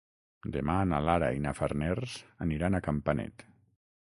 Demà na Lara i na Farners aniran a Campanet.